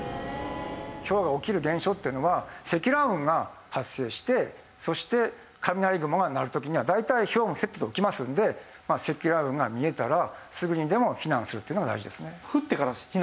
ひょうが起きる現象っていうのは積乱雲が発生してそして雷雲が鳴る時には大体ひょうがセットで起きますので積乱雲が見えたらすぐにでも避難するっていうのが大事ですね。